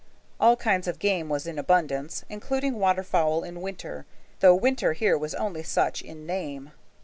All kinds of game was in abundance, including waterfowl in winter, though winter here was only such in name.